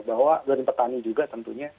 bahwa dari petani juga tentunya